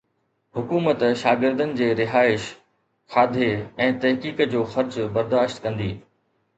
حڪومت شاگردن جي رهائش، کاڌي ۽ تحقيق جو خرچ برداشت ڪندي